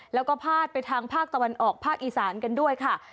แล้วก็พาดไปทางภาคตะวันออกภาคอีสานกันด้วยค่ะ